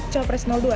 ya itu dia